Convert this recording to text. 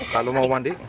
kalau mau mandi